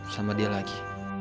sama dia lagi